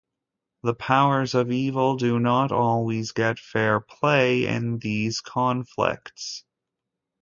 The powers of evil do not always get fair play in these conflicts.